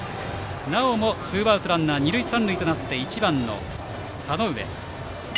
なおもツーアウトランナー、二塁三塁となって１番の田上。